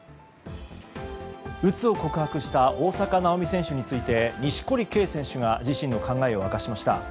うつを告白した大坂なおみ選手について錦織圭選手が自身の考えを明かしました。